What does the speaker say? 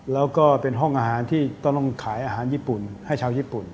แล้วก็เป็นห้องอาหารที่ต้องขายอาหารญี่ปุ่นให้ชาวญี่ปุ่น